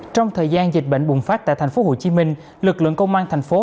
trong thời gian dịch bệnh bùng phát tại tp hcm lực lượng công an thành phố